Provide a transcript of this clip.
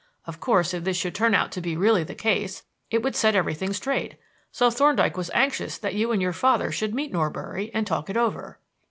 Of course, if this should turn out to be really the case, it would set everything straight; so Thorndyke was anxious that you and your father should meet Norbury and talk it over."